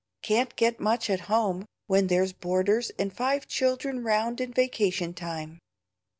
Can't get much at home, when there's boarders and five children round in vacation time."